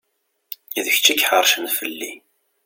D kečč i iḥeṛcen fell-i.